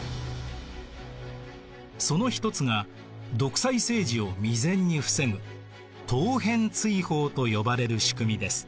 そのひとつが独裁政治を未然に防ぐ陶片追放と呼ばれる仕組みです。